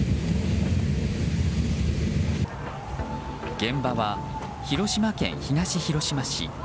現場は、広島県東広島市。